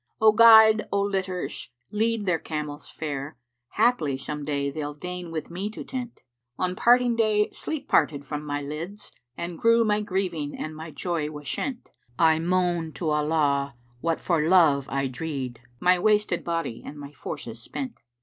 O Guide o' litters lead their camels fair, * Haply some day they'll deign with me to tent! On parting day Sleep parted from my lids * And grew my grieving and my joy was shent. I moan to Allah what for Love I dree'd * My wasted body and my forces spent."